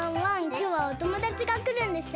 きょうはおともだちがくるんでしょ？